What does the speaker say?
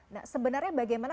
nah sebenarnya bagaimana